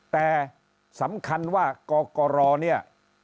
แต่สำคัญว่ากกรเนี่ย